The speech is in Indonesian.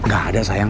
gak ada sayang